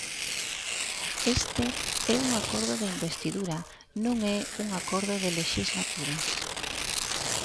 Este é un acordo de investidura, non é un acordo de lexislatura.